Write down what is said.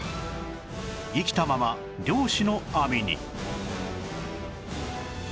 生きたまま漁師の網に